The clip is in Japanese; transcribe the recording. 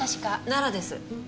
奈良です。